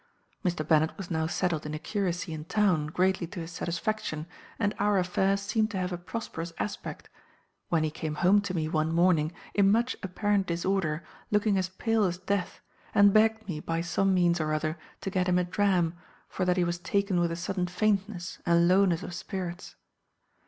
"Mr. Bennet was now settled in a curacy in town, greatly to his satisfaction, and our affairs seemed to have a prosperous aspect, when he came home to me one morning in much apparent disorder, looking as pale as death, and begged me by some means or other to get him a dram, for that he was taken with a sudden faintness and lowness of spirits.